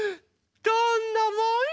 どんなもんよ。